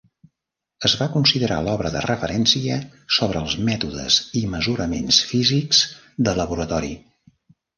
Es va considerar l'obra de referència sobre els mètodes i mesuraments físics de laboratori.